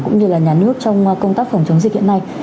cũng như là nhà nước trong công tác phòng chống dịch hiện nay